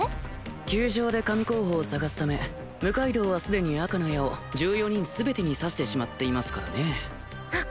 球場で神候補をさがすため六階堂はすでに赤の矢を１４人全てに刺してしまっていますからねあっ